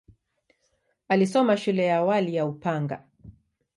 Alisoma shule ya awali ya Upanga.